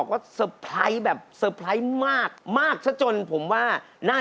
ขอบคุณมาก